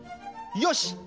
よし！